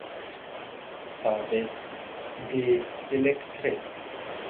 ثابت دی الکتریک